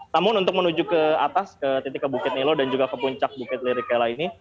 namun untuk menuju ke atas ke titik ke bukit nilo dan juga ke puncak bukit lirikela ini